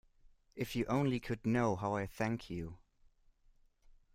If you only could know how I thank you.